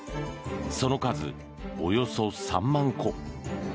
その数およそ３万個。